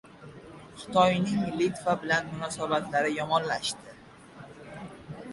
Xitoyning Litva bilan munosabatlari yomonlashdi